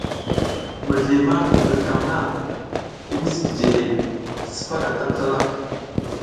Mizli ma hindrikam na i misi jiji hey, sipaka tan slalak.